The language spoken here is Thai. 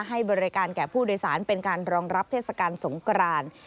ให้บริการแก่ผู้โดยสารเป็นการรองรับเทศกาลสงกราน